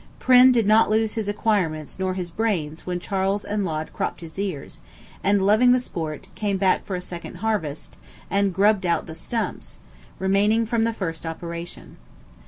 Prynne did not lose his acquirements nor his brains when Charles and Laud cropped his ears, and, loving the sport, came back for a second harvest, and "grubbed out the stumps" remaining from the first operation.